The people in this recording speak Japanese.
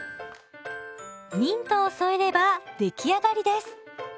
ミントを添えれば出来上がりです！